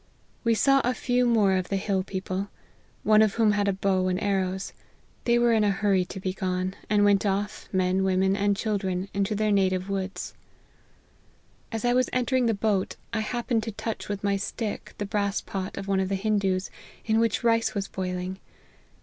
We saw a few more of the hill people ; one of whom had a bow and arrows ; they were in a hurry to be gone ; and went LIFE OF HENRY MARTYN. 85 off, men, women, and children, into their native woods. As I was entering the boat, I happened to touch with my stick the brass pot of one of the Hindoos, in which rice was boiling.